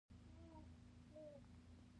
دځنګل حاصلات د ټولو افغان ښځو په ژوند کې رول لري.